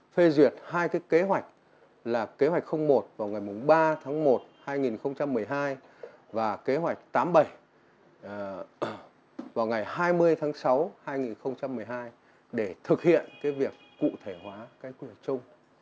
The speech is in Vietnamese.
thủ tướng chính phủ phê duyệt hai cái kế hoạch là kế hoạch một vào ngày ba tháng một năm hai nghìn một mươi hai và kế hoạch tám mươi bảy vào ngày hai mươi tháng sáu năm hai nghìn một mươi hai để thực hiện cái việc cụ thể hóa cái quy hoạch chung